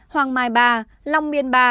hoàng mai ba long miên ba